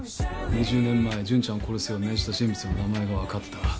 ２０年前ジュンちゃんを殺すよう命じた人物の名前が分かった。